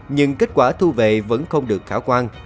nhưng kết quả thu về vẫn không được khả quan